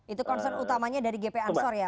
itu concern utamanya dari gp ansor ya